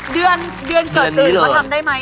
เดือนเกิดตื่นมาทำได้ไหม